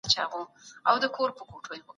شرقي ټولنې له غربي ټولنو سره فرق لري.